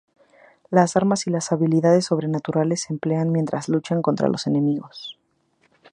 Las armas y las habilidades sobrenaturales se emplean mientras luchan contra los enemigos.